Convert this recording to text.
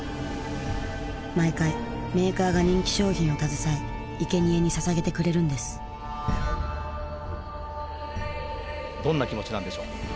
毎回メーカーが人気商品を携えいけにえにささげてくれるんですどんな気持ちなんでしょうか？